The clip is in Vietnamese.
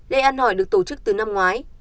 lễ ăn hỏi được tổ chức từ năm ngoái